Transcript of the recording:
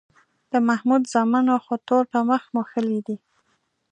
د محمود زامنو خو تور په مخ موښلی دی